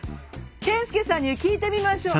健介さんに聞いてみましょう。